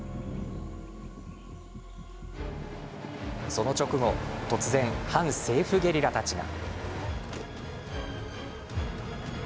その直後突然、反政府ゲリラたちが。